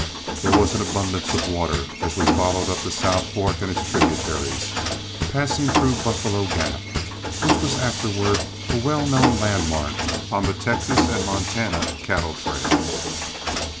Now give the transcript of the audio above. There was an abundance of water, as we followed up the South Fork and its tributaries, passing through Buffalo Gap, which was afterward a well known landmark on the Texas and Montana cattle trail.